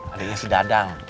adanya si dadang